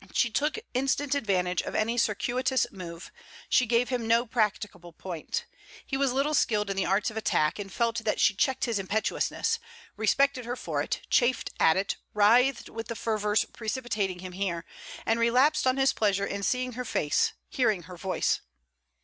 She took instant advantage of any circuitous move; she gave him no practicable point. He was little skilled in the arts of attack, and felt that she checked his impetuousness; respected her for it, chafed at it, writhed with the fervours precipitating him here, and relapsed on his pleasure in seeing her face, hearing her voice.